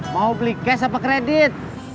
mau beli cash apa kredit